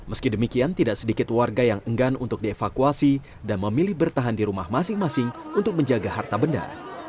meski demikian tidak sedikit warga yang enggan untuk dievakuasi dan memilih bertahan di rumah masing masing untuk menjaga harta benda